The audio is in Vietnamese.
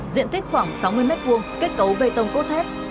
diện tích khoảng sáu mươi m hai kết cấu bê tông cốt thép